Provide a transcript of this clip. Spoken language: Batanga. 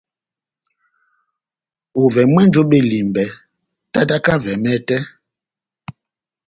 Ovɛ mwɛ́nji ó Belimbè, tátáka ovɛ mɛtɛ,